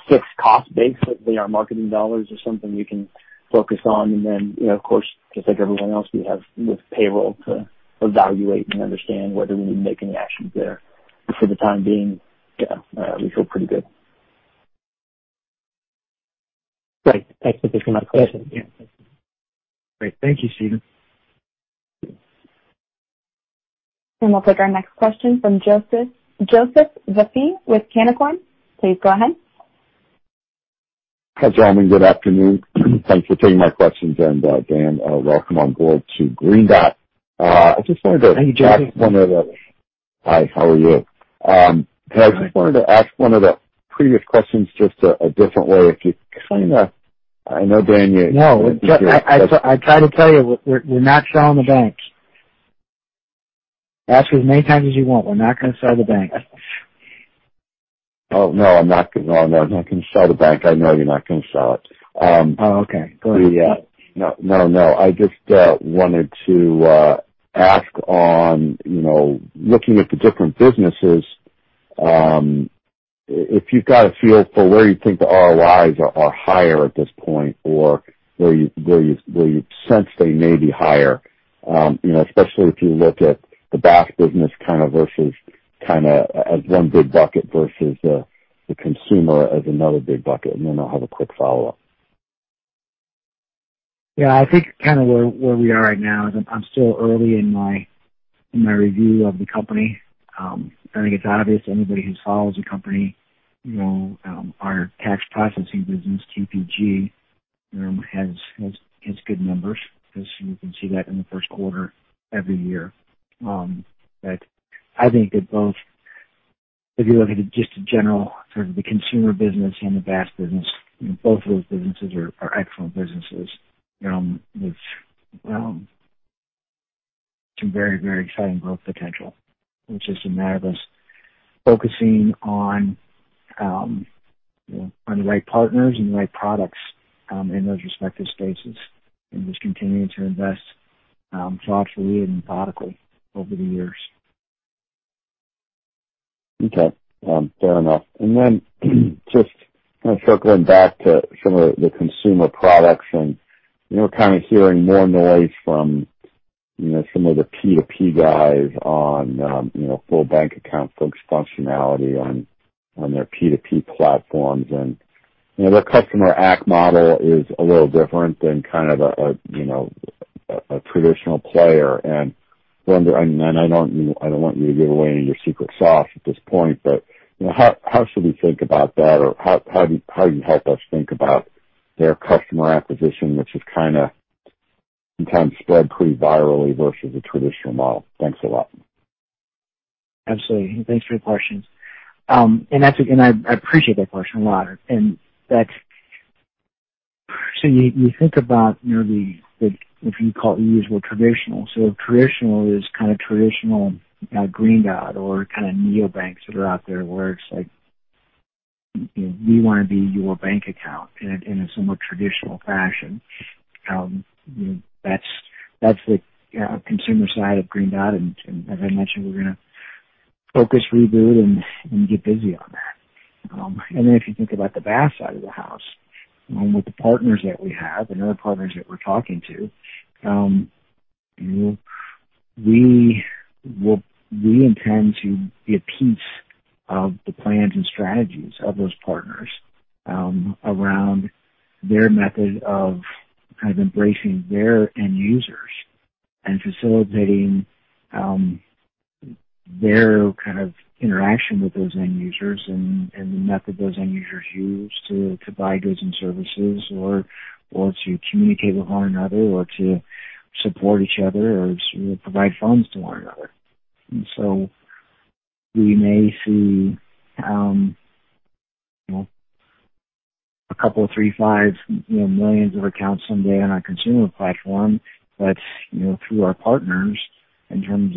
fixed cost base, let's say our marketing dollars are something we can focus on. Of course, just like everyone else, we have payroll to evaluate and understand whether we need to make any actions there. For the time being, yeah, we feel pretty good. Great. Thanks for taking my question. Great. Thank you, Steven. We will take our next question from Joseph Vafi with Canaccord. Please go ahead. Hi. Good afternoon. Thanks for taking my questions. Dan, welcome on board to Green Dot. I just wanted to ask one of the. Hi, how are you? I just wanted to ask one of the previous questions just a different way. If you kind of, I know, Dan, you. No. I try to tell you, we're not selling the bank. Ask as many times as you want. We're not going to sell the bank. Oh, no. I'm not going to sell the bank. I know you're not going to sell it. Oh, okay. Go ahead. Yeah. No, no. I just wanted to ask on looking at the different businesses, if you've got a feel for where you think the ROIs are higher at this point or where you sense they may be higher, especially if you look at the BaaS business kind of versus kind of as one big bucket versus the consumer as another big bucket. Then I will have a quick follow-up. Yeah. I think kind of where we are right now, I'm still early in my review of the company. I think it's obvious to anybody who follows the company, our tax processing business, TPG, has good numbers. You can see that in the first quarter every year. I think that both, if you look at just a general sort of the consumer business and the BAS business, both of those businesses are excellent businesses with some very, very exciting growth potential. It's just a matter of us focusing on the right partners and the right products in those respective spaces and just continuing to invest thoughtfully and methodically over the years. Okay. Fair enough. Just kind of circling back to some of the consumer products, we're kind of hearing more noise from some of the P2P guys on full bank account functionality on their P2P platforms. Their customer act model is a little different than kind of a traditional player. I don't want you to give away any of your secret sauce at this point, but how should we think about that, or how do you help us think about their customer acquisition, which has kind of sometimes spread pretty virally versus the traditional model? Thanks a lot. Absolutely. Thanks for your questions. I appreciate that question a lot. You think about the, if you call it, usual traditional. Traditional is kind of traditional Green Dot or kind of neobanks that are out there where it's like, "We want to be your bank account in a somewhat traditional fashion." That's the consumer side of Green Dot. As I mentioned, we're going to focus, reboot, and get busy on that. If you think about the BaaS side of the house, with the partners that we have and other partners that we're talking to, we intend to be a piece of the plans and strategies of those partners around their method of kind of embracing their end users and facilitating their kind of interaction with those end users and the method those end users use to buy goods and services or to communicate with one another or to support each other or provide funds to one another. We may see a couple of three, five million accounts someday on our consumer platform. Through our partners, in terms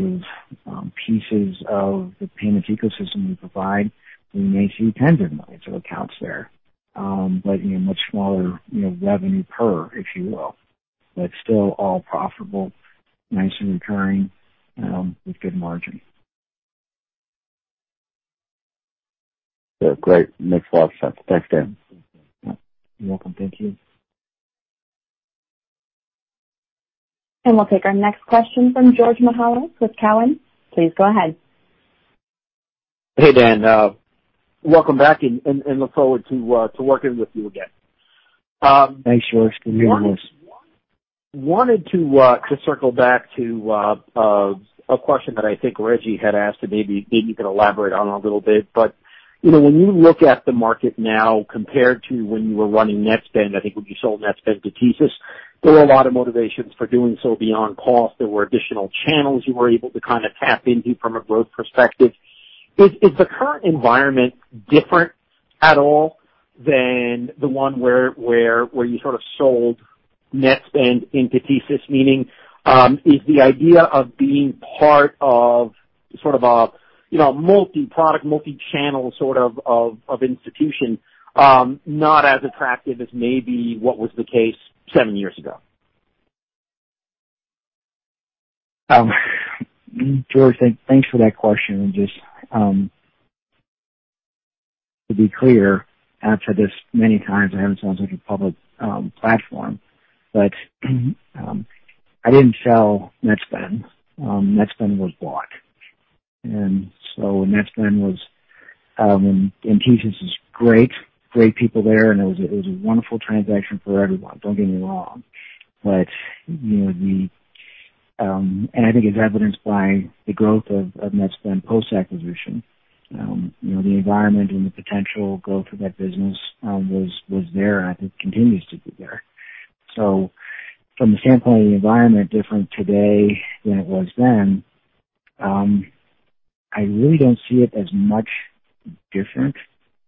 of pieces of the payment ecosystem we provide, we may see tens of millions of accounts there, but much smaller revenue per, if you will. Still all profitable, nicely recurring with good margin. Great. Makes a lot of sense. Thanks, Dan. You're welcome. Thank you. We will take our next question from George Mihalos with Cowen. Please go ahead. Hey, Dan. Welcome back. I look forward to working with you again. Thanks, George. Good meeting you. I wanted to circle back to a question that I think Reggie had asked that maybe you can elaborate on a little bit. When you look at the market now compared to when you were running Netspend, I think when you sold Netspend to TSYS, there were a lot of motivations for doing so beyond cost. There were additional channels you were able to kind of tap into from a growth perspective. Is the current environment different at all than the one where you sort of sold Netspend into TSYS? Meaning, is the idea of being part of sort of a multi-product, multi-channel sort of institution not as attractive as maybe what was the case seven years ago? George, thanks for that question. Just to be clear, I've said this many times. I haven't sounded like a public platform. I didn't sell Netspend. Netspend was bought. Netspend was and TSYS is great. Great people there. It was a wonderful transaction for everyone. Don't get me wrong. I think it's evidenced by the growth of Netspend post-acquisition. The environment and the potential growth of that business was there and I think continues to be there. From the standpoint of the environment, different today than it was then, I really don't see it as much different.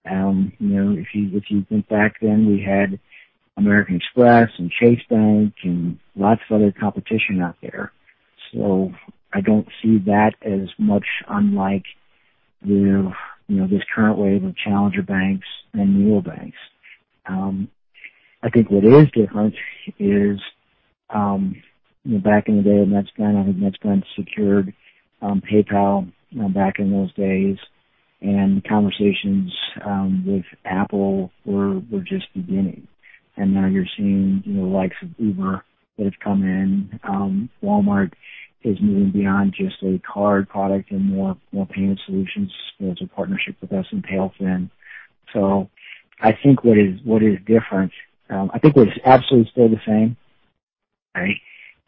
If you think back then, we had American Express and Chase Bank and lots of other competition out there. I don't see that as much unlike this current wave of challenger banks and neobanks. I think what is different is back in the day of Netspend, I think Netspend secured PayPal back in those days. Conversations with Apple were just beginning. Now you're seeing the likes of Uber that have come in. Walmart is moving beyond just a card product and more payment solutions as a partnership with us and TailFin. I think what is different, I think what is absolutely still the same, right?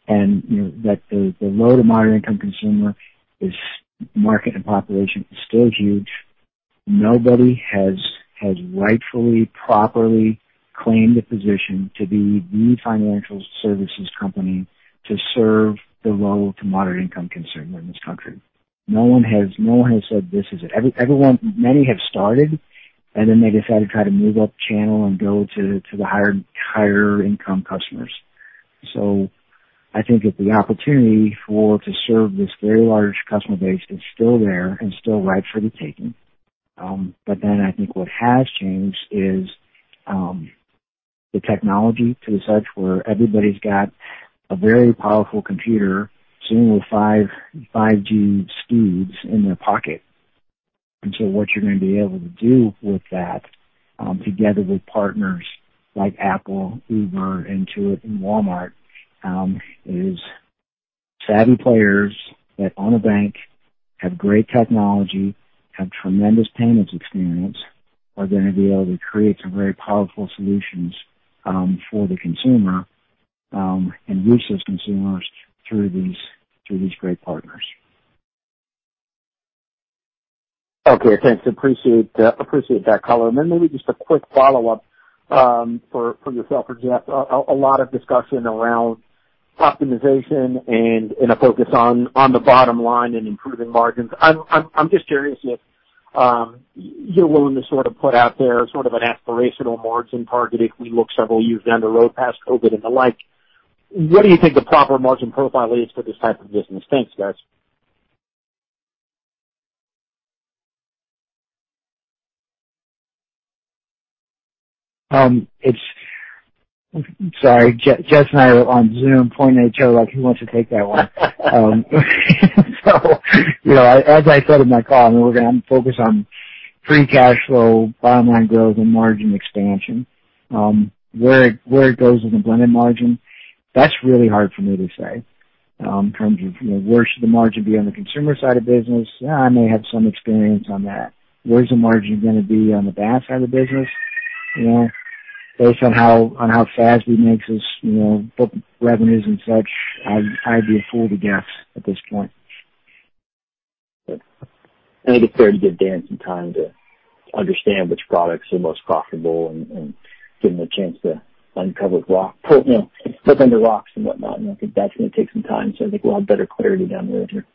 The low to moderate-income consumer market and population is still huge. Nobody has rightfully, properly claimed a position to be the financial services company to serve the low to moderate-income consumer in this country. No one has said, "This is it." Many have started, and then they decide to try to move up the channel and go to the higher-income customers. I think that the opportunity to serve this very large customer base is still there and still ripe for the taking. What has changed is the technology to such where everybody's got a very powerful computer soon with 5G speeds in their pocket. What you're going to be able to do with that together with partners like Apple, Uber, Intuit, and Walmart is savvy players that own a bank, have great technology, have tremendous payments experience, are going to be able to create some very powerful solutions for the consumer and reach those consumers through these great partners. Okay. Thanks. Appreciate that, color. Maybe just a quick follow-up for yourself, Jess. A lot of discussion around optimization and a focus on the bottom line and improving margins. I'm just curious if you're willing to sort of put out there sort of an aspirational margin target if we look several years down the road past COVID and the like. What do you think the proper margin profile is for this type of business? Thanks, guys. Sorry. Jess and I are on Zoom. Point to Joe, who wants to take that one? As I said in my call, I'm going to focus on free cash flow, bottom line growth, and margin expansion. Where it goes with the blended margin, that's really hard for me to say in terms of where should the margin be on the consumer side of business. I may have some experience on that. Where's the margin going to be on the BaaS side of the business? Based on how fast we make those revenues and such, I'd be a fool to guess at this point. I think it's fair to give Dan some time to understand which products are most profitable and give him a chance to uncover rocks and whatnot. I think that's going to take some time. I think we'll have better clarity down the road here.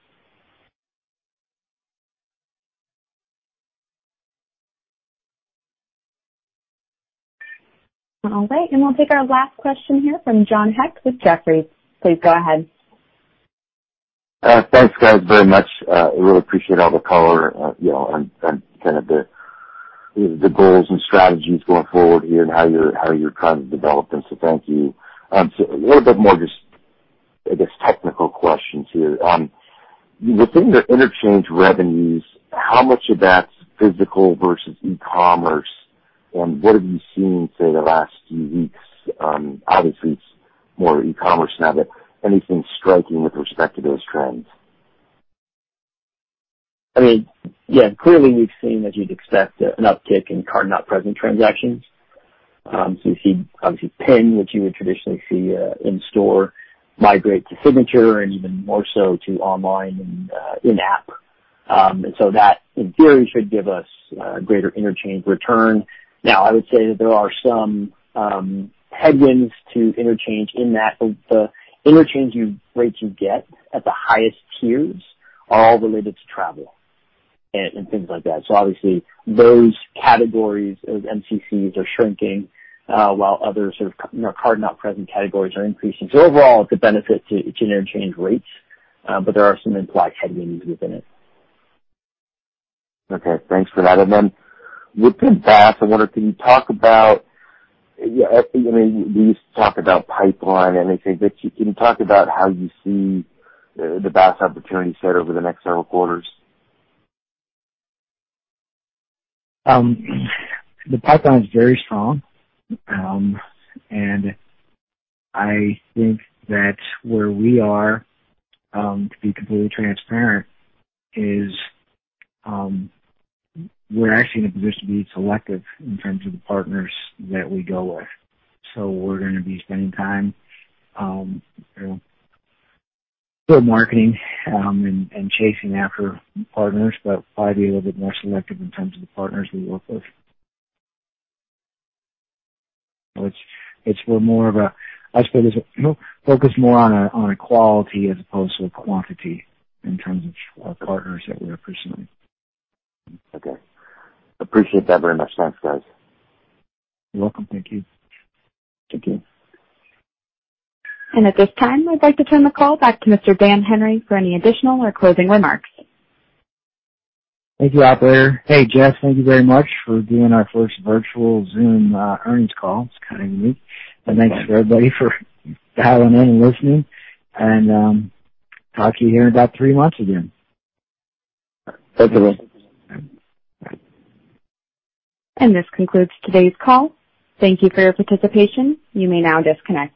All right. We will take our last question here from John Heck with Jefferies. Please go ahead. Thanks, guys, very much. I really appreciate all the color and kind of the goals and strategies going forward here and how you're trying to develop them. Thank you. A little bit more just, I guess, technical questions here. Within your interchange revenues, how much of that's physical versus e-commerce? What have you seen, say, the last few weeks? Obviously, it's more e-commerce now, but anything striking with respect to those trends? I mean, yeah, clearly, we've seen, as you'd expect, an uptick in card-not-present transactions. We see, obviously, PIN, which you would traditionally see in-store, migrate to signature and even more so to online and in-app. That, in theory, should give us a greater interchange return. I would say that there are some headwinds to interchange in that. The interchange rates you get at the highest tiers are all related to travel and things like that. Obviously, those categories of MCCs are shrinking while other sort of card-not-present categories are increasing. Overall, it's a benefit to interchange rates, but there are some implied headwinds within it. Okay. Thanks for that. Within BaaS, I wonder, can you talk about, I mean, we used to talk about pipeline and everything, but can you talk about how you see the BaaS opportunity set over the next several quarters? The pipeline is very strong. I think that where we are, to be completely transparent, is we're actually in a position to be selective in terms of the partners that we go with. We're going to be spending time through marketing and chasing after partners, but probably be a little bit more selective in terms of the partners we work with. It's more of a, I suppose, focus more on a quality as opposed to a quantity in terms of partners that we're pursuing. Okay. Appreciate that very much. Thanks, guys. You're welcome. Thank you. Thank you. At this time, I'd like to turn the call back to Mr. Dan Henry for any additional or closing remarks. Thank you, operator. Hey, Jess, thank you very much for doing our first virtual Zoom earnings call. It is kind of unique. Thanks to everybody for dialing in and listening. Talk to you here in about three months again. Thank you. This concludes today's call. Thank you for your participation. You may now disconnect.